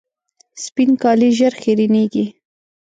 سپین کالي ژر خیرنېږي.